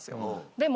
でも